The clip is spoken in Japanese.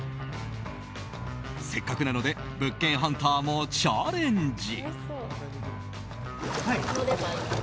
せっかくなので物件ハンターもチャレンジ。